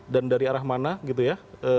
dari arah mana gitu ya